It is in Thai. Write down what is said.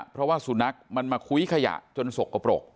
เพราะว่าสุนัขมันมาคุ้ยขยะจนสกปรก